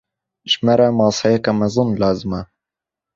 Ji me re maseyeke mezin lazim e.